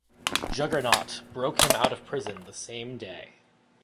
Juggernaut broke him out of prison the same day.